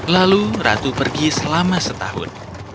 lalu ratu pergi selama setahun